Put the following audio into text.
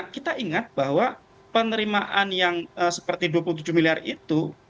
kita ingat bahwa penerimaan yang seperti dua puluh tujuh miliar itu